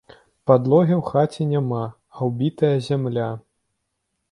Падлогі ў хаце няма, а ўбітая зямля.